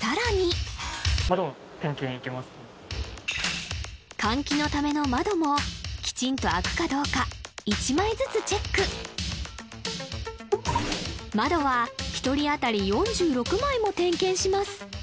さらに換気のための窓もきちんと開くかどうか１枚ずつチェック窓は１人当たり４６枚も点検します！